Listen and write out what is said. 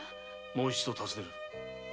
もう一度尋ねる。